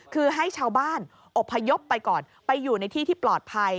คือให้ชาวบ้านอบพยพไปก่อนไปอยู่ในที่ที่ปลอดภัย